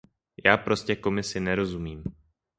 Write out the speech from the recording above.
Já prostě Komisi nerozumím.